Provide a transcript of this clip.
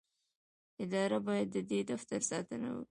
اداره باید د دې دفتر ساتنه وکړي.